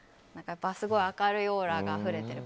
すごい明るいオーラがあふれていて。